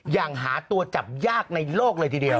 อย่างหาตัวจับยากในโลกเลยทีเดียว